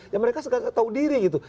ya mereka sekadar tau diri gitu